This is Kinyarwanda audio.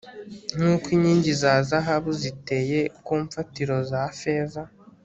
nk'uko inkingi za zahabu ziteye ku mfatiro za feza